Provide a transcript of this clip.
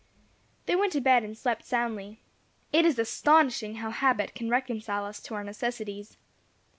They went to bed and slept soundly. It is astonishing how habit can reconcile us to our necessities!